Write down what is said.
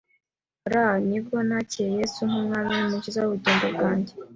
r nibwo nakiye Yesu nk’umwami n’umukiza w’ubugingo bwanjye.